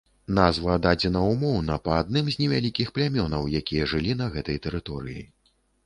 Назва дадзена ўмоўна, па адным з невялікіх плямёнаў, якія жылі на гэтай тэрыторыі.